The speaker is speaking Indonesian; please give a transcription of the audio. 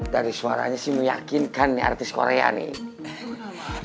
dari suaranya sih meyakinkan nih artis korea nih